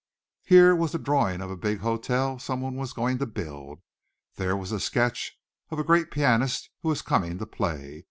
Here was the drawing of a big hotel someone was going to build; there was a sketch of a great pianist who was coming to play.